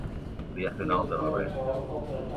Li va fer una altra reverència.